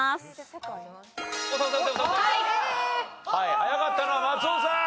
早かったのは松尾さん。